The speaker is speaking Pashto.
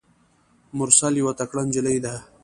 مرسل یوه تکړه نجلۍ ده.